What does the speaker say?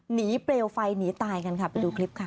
เปลวไฟหนีตายกันค่ะไปดูคลิปค่ะ